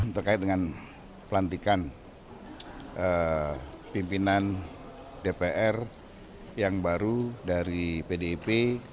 terkait dengan pelantikan pimpinan dpr yang baru dari pdip